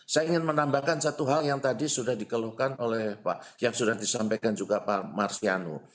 saya ingin menambahkan satu hal yang tadi sudah dikeluhkan oleh pak yang sudah disampaikan juga pak marsiano